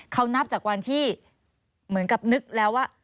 เขานับจากวันที่เหมือนกับนึกแล้วว่า